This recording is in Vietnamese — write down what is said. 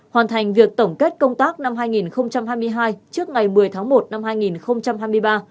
hoàn thành việc tổng kết công tác năm hai nghìn hai mươi hai trước ngày một mươi tháng một năm hai nghìn hai mươi ba